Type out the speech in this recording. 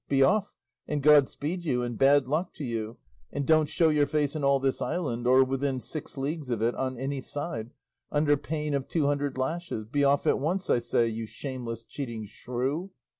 Be off, and God speed you, and bad luck to you, and don't show your face in all this island, or within six leagues of it on any side, under pain of two hundred lashes; be off at once, I say, you shameless, cheating shrew."